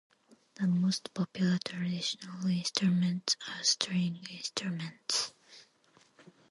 The most popular traditional instruments are string instruments.